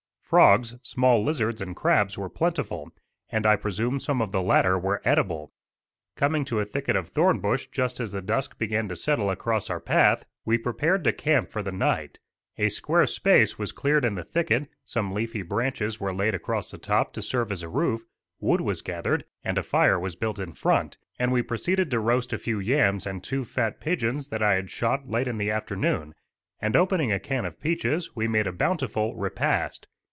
Frogs, small lizards and crabs were plentiful, and I presume some of the latter were edible. Coming to a thicket of thorn bush just as the dusk began to settle across our path, we prepared to camp for the night. A square space was cleared in the thicket, some leafy branches were laid across the top to serve as a roof, wood was gathered, and a fire was built in front; and we proceeded to roast a few yams and two fat pigeons that I had shot late in the afternoon; and opening a can of peaches, we made a bountiful repast.